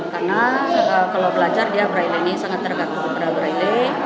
karena kalau belajar dia braile ini sangat tergantung kepada braile